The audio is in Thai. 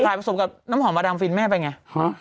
กลายผสมกับน้ำหอมมาดำฟิลแม่ไปไง